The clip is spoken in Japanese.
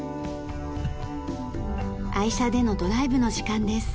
愛車でのドライブの時間です。